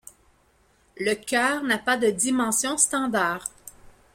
Le cœur n'a pas de dimensions standard.